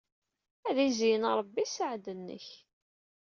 Ad izeyyen Ṛebbi sseɛd-nnek.